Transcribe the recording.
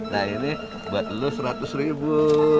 nah ini buat lo seratus ribu